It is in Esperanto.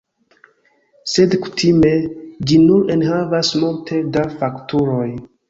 Sed kutime, ĝi nur enhavas multe da fakturoj.